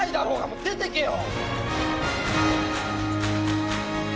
もう出てけよ。